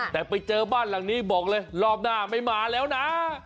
แต่ไปเจอบ้านหลังนี้บอกเลยรอบหน้าไม่มาแล้วนะ